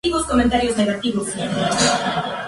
Fotógrafo de profesión.